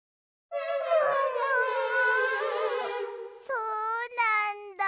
そうなんだ。